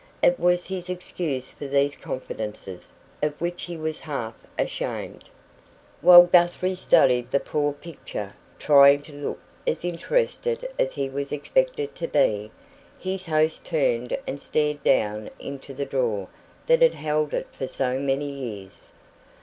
It was his excuse for these confidences, of which he was half ashamed. While Guthrie studied the poor picture, trying to look as interested as he was expected to be, his host turned and stared down into the drawer that had held it for so many years.